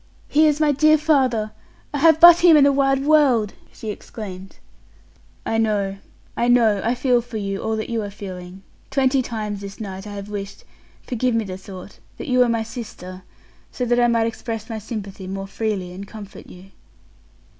"He is my dear father; I have but him in the wide world!" she exclaimed. "I know I know; I feel for you all that you are feeling. Twenty times this night I have wished forgive me the thought that you were my sister, so that I might express my sympathy more freely and comfort you."